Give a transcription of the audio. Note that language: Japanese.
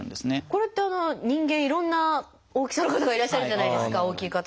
これって人間いろんな大きさの方がいらっしゃるじゃないですか大きい方。